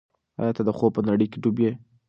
آیا ته د خوب په نړۍ کې ډوب یې؟